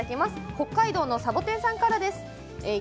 北海道の、サボテンさんからです。